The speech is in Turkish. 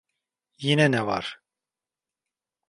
Yine ne var?